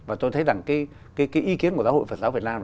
và tôi thấy rằng cái ý kiến của giáo hội phật giáo việt nam